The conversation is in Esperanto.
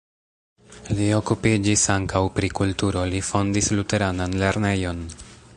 Li okupiĝis ankaŭ pri kulturo, li fondis luteranan lernejon.